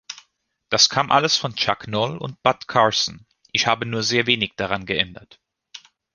Das kam alles von Chuck Noll und Bud Carson, ich habe nur sehr wenig daran geändert.